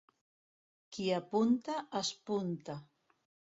Qui apunta, espunta.